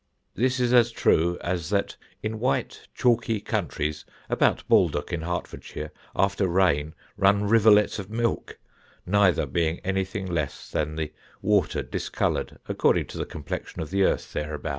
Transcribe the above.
This is as true, as that in white chalky Countries (about Baldock in Hertfordshire) after rain run rivolets of Milk; Neither being anything else than the Water discoloured, according to the Complexion of the Earth thereabouts."